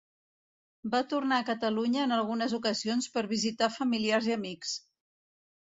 Va tornar a Catalunya en algunes ocasions per visitar familiars i amics.